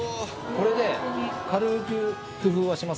これで軽く。